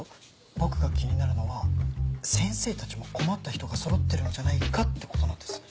僕が気になるのは先生たちも困った人がそろってるんじゃないかってことなんです。